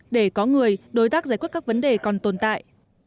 để có người đối tác giải quyết các vấn đề còn tồn tại